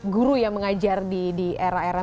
guru yang mengajar di era era